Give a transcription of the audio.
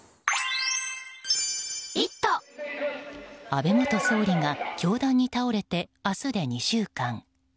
安倍元総理が凶弾に倒れて明日で２週間。